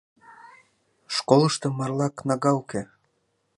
Школышто марла кнага уке.